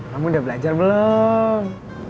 kamu udah belajar belum